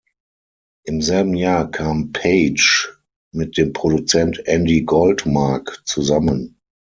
Im selben Jahr kam Paige mit dem Produzent Andy Goldmark zusammen.